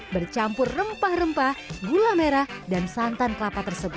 bercampur rempah rempah gula merah dan santan kelapa tersebut